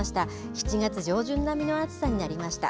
７月上旬並みの暑さになりました。